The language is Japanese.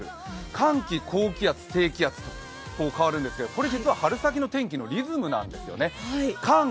寒気、高気圧、低気圧と変わるんですけれどもこれ、実は春先の天気のリズムなんですよね。